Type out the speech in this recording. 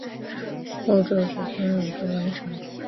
后者娶天之瓮主神。